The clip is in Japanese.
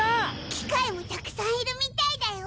機械もたくさんいるみたいだよ。